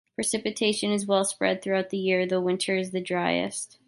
Precipitation is well-spread throughout the year, though winter is the driest.